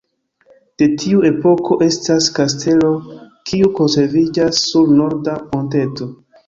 De tiu epoko estas kastelo, kiu konserviĝas sur norda monteto.